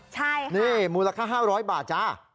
ใช่ค่ะนี่มูลค่า๕๐๐บาทจ้า